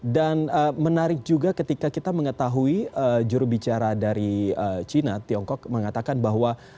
menarik juga ketika kita mengetahui jurubicara dari cina tiongkok mengatakan bahwa